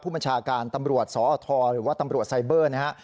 บัญชาการตำรวจสอทหรือว่าตำรวจไซเบอร์นะฮะ